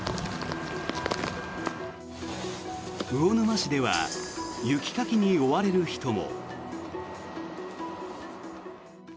魚沼市では雪かきに追われる人も。